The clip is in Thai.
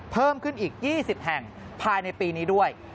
เพิ่มขึ้นอีก๒๐แห่งภายในปีนี้ด้วย